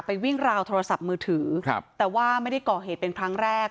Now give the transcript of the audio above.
วิ่งราวโทรศัพท์มือถือครับแต่ว่าไม่ได้ก่อเหตุเป็นครั้งแรก